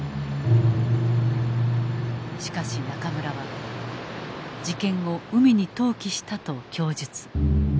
しかし中村は事件後海に投棄したと供述。